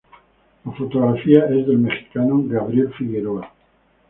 La fotografía es del mexicano Gabriel Figueroa.